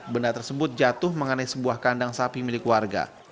benda tersebut jatuh mengenai sebuah kandang sapi milik warga